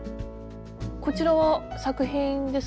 こちらは作品ですか？